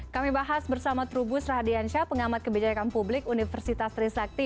kami bahas bersama trubus radiansyah pengamat kebijakan publik universitas trisakti